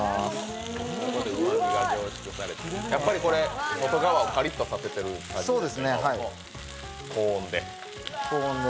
やっぱり外側をカリッとさせている感じですか高温で。